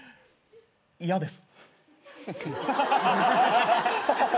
嫌です。